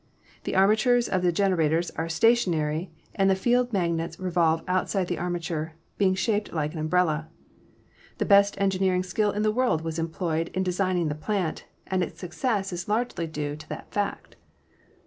The armatures of the gen erators are stationary and the field magnets revolve out side the armature, being shaped like an umbrella. The best engineering skill in the world was employed in de signing the plant, and its success is largely due to that fact.